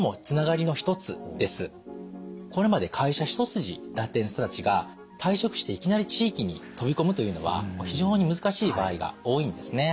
これまで会社一筋だったような人たちが退職していきなり地域に飛び込むというのは非常に難しい場合が多いんですね。